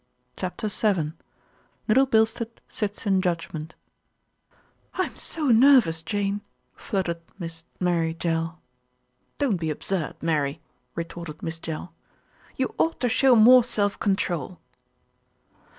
CHAPTER VII LITTLE BILSTEAD SITS IN JUDGMENT "T M so nervous, Jane," fluttered Miss Mary Jell. "Don't be absurd, Mary," retorted Miss Jell. "You ought to show more self control."